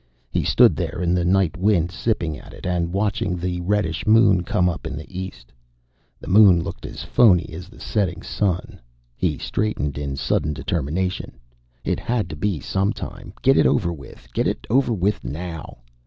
He stood there in the night wind, sipping at it, and watching the reddish moon come up in the east. The moon looked as phoney as the setting sun. He straightened in sudden determination. It had to be sometime. Get it over with, get it over with now.